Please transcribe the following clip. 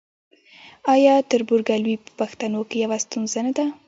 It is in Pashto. آیا تربورګلوي په پښتنو کې یوه ستونزه نه ده؟